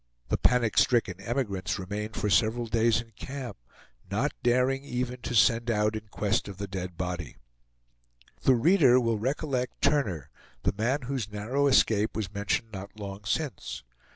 The panic stricken emigrants remained for several days in camp, not daring even to send out in quest of the dead body. The reader will recollect Turner, the man whose narrow escape was mentioned not long since.